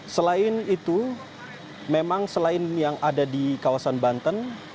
selain itu memang selain yang ada di kawasan banten